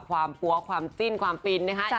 ความปั๊วความจิ้นความปีน